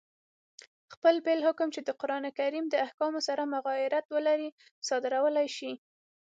خپل بېل حکم، چي د قرآن کریم د احکامو سره مغایرت ولري، صادرولای سي.